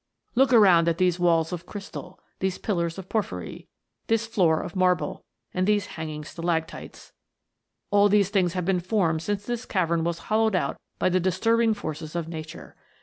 "Look around at these walls of crystal, these pillars of porphyry, this floor of marble, and these hanging stalactites ! All these things have been 272 THE GNOMES. foi med since this cavern was hollowed out by the disturbing forces of nature.